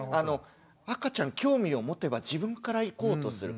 赤ちゃん興味を持てば自分から行こうとする。